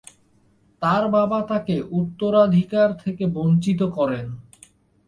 তার বাবা তাকে উত্তরাধিকার থেকে বঞ্চিত করেন।